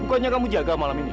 bukannya kamu jaga malam ini